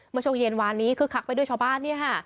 เมื่อช่วงเย็นวานนี้คึกคักไปด้วยชาวบ้านเนี่ยค่ะ